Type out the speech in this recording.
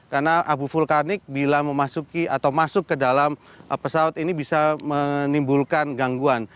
karena abu vulkanik bila memasuki atau masuk ke dalam pesawat ini bisa menimbulkan gangguan